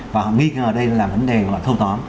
và họ nghi ngờ đây là vấn đề thâu tóm